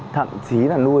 thậm chí là nuôi